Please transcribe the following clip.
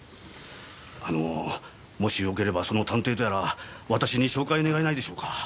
あのもしよければその探偵とやら私に紹介願えないでしょうか？